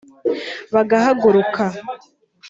bagahaguruka